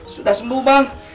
sudah sembuh bang